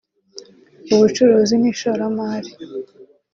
ubucurizi n’ishoramari